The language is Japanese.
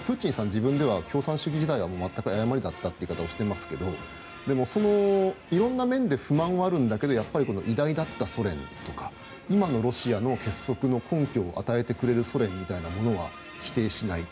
自分では共産主義時代は全く誤りだったという言い方をしていますがでも、いろんな面で不満はあるんだけれども偉大だったソ連とか今のロシアの結束の根拠を与えてくれるソ連みたいなものは否定しない。